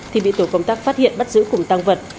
thì bị tổ công tác phát hiện bắt giữ cùng tăng vật